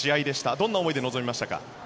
どんな思いで臨みましたか？